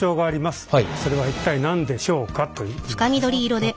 それは一体何でしょうかという問題です。